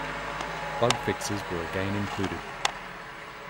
Bug fixes were again included.